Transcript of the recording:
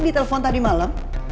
di telepon tadi malam